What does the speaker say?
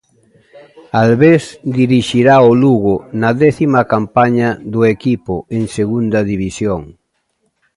Albés dirixirá o Lugo na décima campaña do equipo en Segunda División.